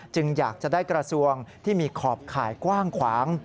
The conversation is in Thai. อยากจะได้กระทรวงที่มีขอบข่ายกว้างขวาง